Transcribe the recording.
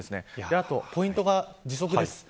あと、ポイントが時速です。